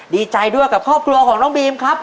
ดีใจด้วยกับครอบครัวของน้องบีมครับ